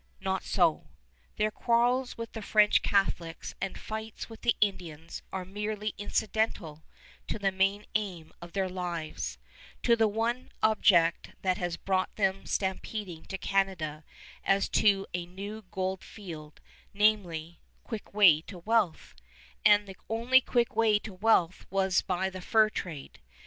Not so: their quarrels with the French Catholics and fights with the Indians are merely incidental to the main aim of their lives, to the one object that has brought them stampeding to Canada as to a new gold field, namely, quick way to wealth; and the only quick way to wealth was by the fur trade.